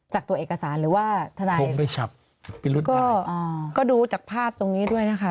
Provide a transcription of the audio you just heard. จากตัวเอกสารหรือว่าทนายพิรุธก็ดูจากภาพตรงนี้ด้วยนะคะ